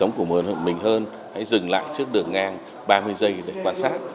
sống của một mình hơn hãy dừng lại trước đường ngang ba mươi giây để quan sát